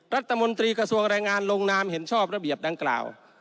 รัฐมนตรีกระทรวงแรงงานลงนามเห็นชอบระเบียบดังกล่าว